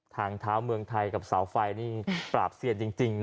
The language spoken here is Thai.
ฐางเท้าเมืองไทยฝ่ายฝานี้สระเสดจริง